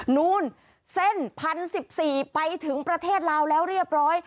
นู้นเส้น๑๐๑๔ไปถึงประเทศลาวแล้วเรียบร้อย